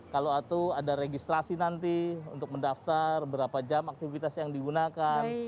kalau itu ada registrasi nanti untuk mendaftar berapa jam aktivitas yang digunakan